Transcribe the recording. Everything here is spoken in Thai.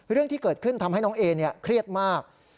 เรื่องที่เกิดขึ้นทำให้น้องเอเครียดมาก